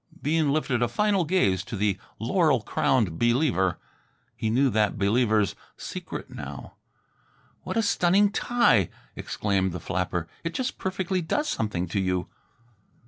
Bean lifted a final gaze to the laurel crowned Believer. He knew that Believer's secret now. "What a stunning tie," exclaimed the flapper. "It just perfectly does something to you."